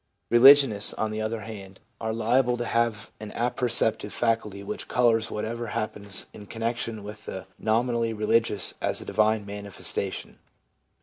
Religionists, on the other hand, are liable to have an apperceptive faculty which colours whatever happens in connection with the nominally religious as a divine manifestation.